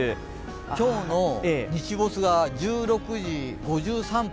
今日の日没が１６時５３分。